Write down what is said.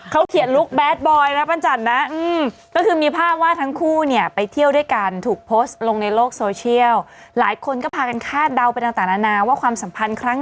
ขณะที่ทั้งคู่เนี่ยไปเที่ยวกันด้วยกัน